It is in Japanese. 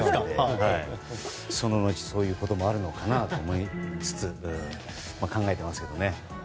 そのうちそういうこともあるのかなと思いつつ考えていますけどね。